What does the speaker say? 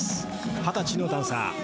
二十歳のダンサー。